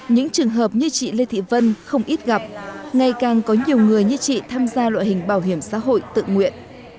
những trường hợp như chị lê thị vân không ít gặp ngày càng có nhiều người như chị tham gia loại hình bảo hiểm xã hội tự nguyện